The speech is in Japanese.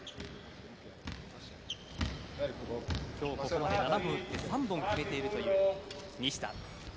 今日、ここまで７本打って３本決めているという西田。